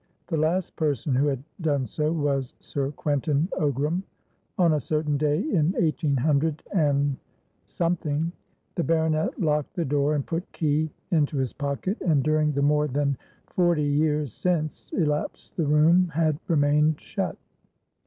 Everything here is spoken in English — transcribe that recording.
The last person who had done so was Sir Quentin Ogram; on a certain day in eighteen hundred andsomething, the baronet locked the door and put key into his pocket, and during the more than forty years since elapsed the room had remained shut.